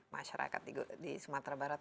masyarakat di sumatera barat